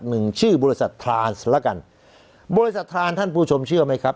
หนึ่งชื่อบริษัททานแล้วกันบริษัททานท่านผู้ชมเชื่อไหมครับ